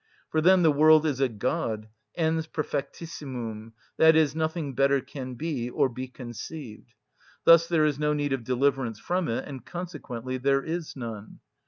For then the world is a God, ens perfectissimum, i.e., nothing better can be or be conceived. Thus there is no need of deliverance from it; and consequently there is none.